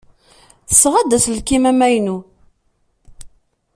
Tesɣa-d aselkim amaynu.